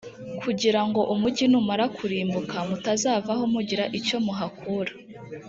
kugira ngo umugi numara kurimbuka, mutazavaho mugira icyo muhakura.